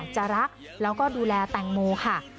จะรักแล้วก็ดูแลแตงโมค่ะ